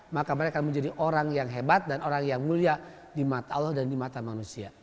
maka mereka menjadi orang yang hebat dan orang yang mulia di mata allah dan di mata manusia